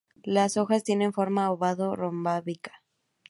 Las hojas tienen forma ovado-rómbica.